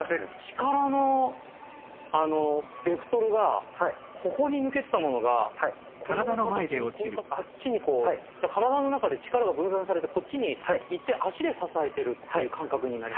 力のベクトルがここに抜けてたものがこう形にこっちにこう体の中で力が分散されてこっちにいって脚で支えてるっていう感覚になります。